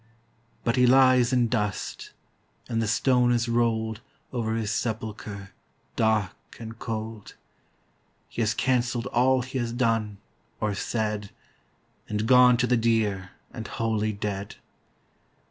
But he lies in dust, And the stone is rolled Over his sepulchre dark and cold. He has cancelled all he has done, or said, And gone to the dear and holy Dead.